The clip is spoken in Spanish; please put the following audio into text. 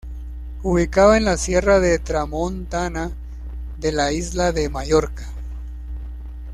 Ubicado en la Sierra de Tramontana de la isla de Mallorca.